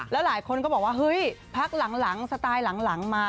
แล้วหลายคนก็บอกว่าเฮ้ยพักหลังสไตล์หลังมา